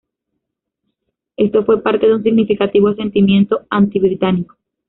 Esto fue parte de un significativo sentimiento anti-británico.